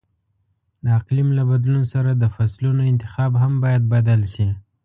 د اقلیم له بدلون سره د فصلو انتخاب هم باید بدل شي.